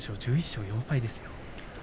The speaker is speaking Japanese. １１勝４敗ですよ。